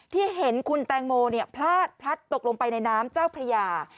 ที่เห็นคุณแตงโมพลาดพลัดตกลงไปในน้ำเจ้าพระยา